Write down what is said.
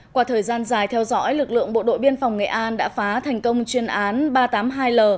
qua thời gian dài theo dõi lực lượng bộ đội biên phòng nghệ an đã phá thành công chuyên án ba trăm tám mươi hai l